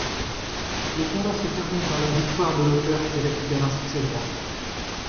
Le combat se termine par la victoire de l'auteur qui récupère ainsi ses droits.